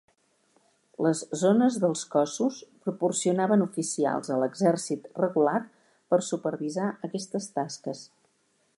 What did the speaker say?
Les zones dels cossos proporcionaven oficials a l'exèrcit regular per supervisar aquestes tasques.